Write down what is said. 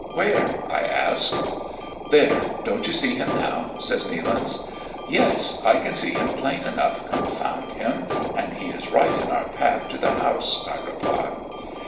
Where?" I ask. " There, don't you see him now ?" says Nealance. " Yes, I can see him plain enough, confound him, and he is right in our path to the house," I reply.